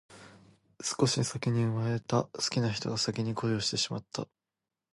少し先に生まれた好きな人が少し先に恋をしてしまった